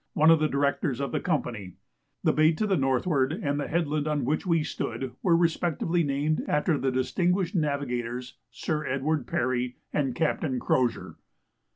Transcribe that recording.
one of the Directors of the Company; the bay to the northward, and the headland on which we stood, were respectively named after the distinguished navigators Sir Edward Parry and Captain Crozier.